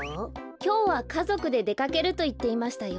きょうはかぞくででかけるといっていましたよ。